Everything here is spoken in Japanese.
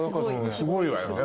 すごいわよね